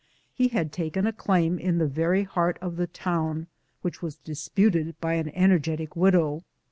He had taken a claim in the very heart of the town, which was disputed by an energetic widow.